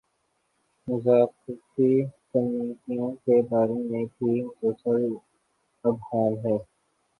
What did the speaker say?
مذاکرتی کمیٹیوں کے بارے میں بھی مسلسل ابہام ہے۔